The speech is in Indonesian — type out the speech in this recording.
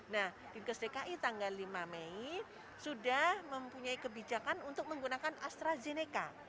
nah dinkes dki tanggal lima mei sudah mempunyai kebijakan untuk menggunakan astrazeneca